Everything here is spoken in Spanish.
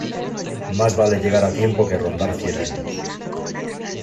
Más vale llegar a tiempo que rondar cien años.